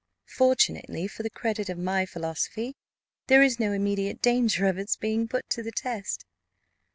"Fortunately, for the credit of my philosophy, there is no immediate danger of its being put to the test."